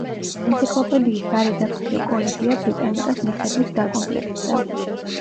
ენციკლოპედიის სარედაქციო კოლეგია ბრიტანიკას მიხედვით დაკომპლექტდა.